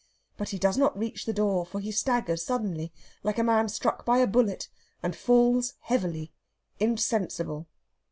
But he does not reach the door, for he staggers suddenly, like a man struck by a bullet, and falls heavily, insensible.